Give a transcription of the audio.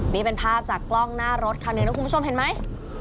นี่เป็นภาพจากกล้องหน้ารถคันหนึ่งนะคุณผู้ชมเห็นไหม